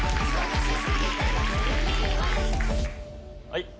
はい。